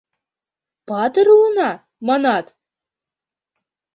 — Патыр улына, манат?!